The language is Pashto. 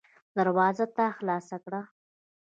دروازه تا خلاصه کړه.